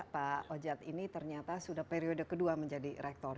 pak ojad ini ternyata sudah periode kedua menjadi rektor